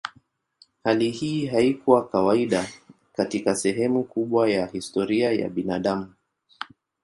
Hali hii haikuwa kawaida katika sehemu kubwa ya historia ya binadamu.